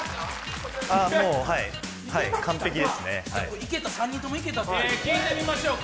いけた、３人ともいけた。